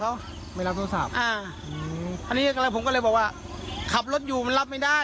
อาบโทรศัพท์อ่ะอ๋ออันนี้ผมก็เลยบอกว่าขับรถอยู่มันรับไม่ได้